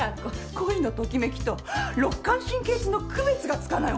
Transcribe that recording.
恋のときめきと肋間神経痛の区別がつかない女なのよ。